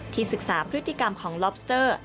ศึกษาพฤติกรรมของล็อบสเตอร์